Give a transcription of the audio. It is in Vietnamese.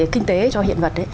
kinh tế cho hiện vật